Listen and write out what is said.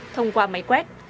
thông qua máy quét